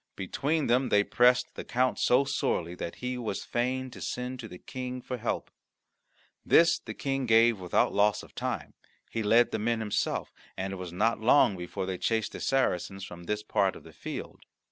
Between them they pressed the count so sorely that he was fain to send to the King for help. This the King gave without loss of time; he led the men himself, and it was not long before they chased the Saracens from this part of the field.